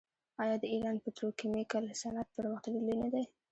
آیا د ایران پتروکیمیکل صنعت پرمختللی نه دی؟